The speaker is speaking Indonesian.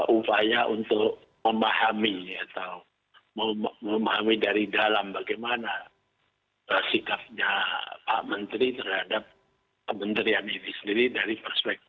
upaya untuk memahami atau memahami dari dalam bagaimana sikapnya pak menteri terhadap kementerian ini sendiri dari perspektif